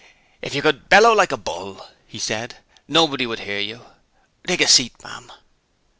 "If you could bellow like a bull," he said, "nobody would hear you. Take a seat, ma'am."